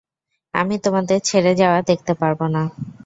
আমি তোমাদের ছেঁড়ে যাওয়া দেখতে পারব না।